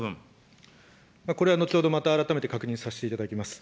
これは後ほどまた改めて確認させていただきます。